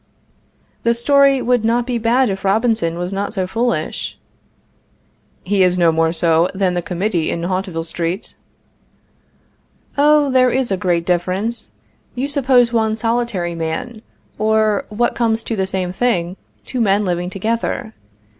The story would not be bad if Robinson was not so foolish. He is no more so than the committee in Hauteville street. Oh, there is a great difference. You suppose one solitary man, or, what comes to the same thing, two men living together.